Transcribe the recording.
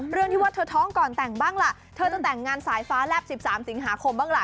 เรื่องที่ว่าเธอท้องก่อนแต่งบ้างล่ะเธอจะแต่งงานสายฟ้าแลบ๑๓สิงหาคมบ้างล่ะ